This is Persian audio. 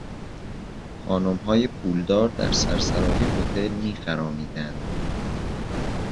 خانمهای پولدار در سرسرای هتل میخرامیدند.